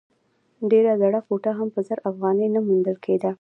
ډېره زړه کوټه هم په زر افغانۍ نه موندل کېده.